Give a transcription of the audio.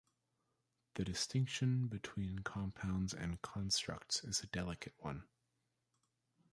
The distinction between compounds and constructs is a delicate one.